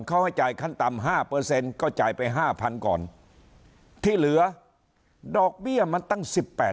เขาให้จ่ายขั้นต่ำ๕ก็จ่ายไป๕๐๐ก่อนที่เหลือดอกเบี้ยมันตั้ง๑๘